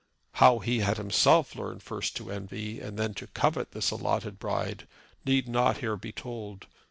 How he had himself learned first to envy and then to covet this allotted bride need not here be told.